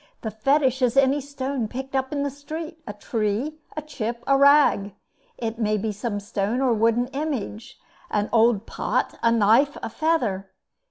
The Fetish is any stone picked up in the street a tree, a chip, a rag. It may be some stone or wooden image an old pot, a knife, a feather.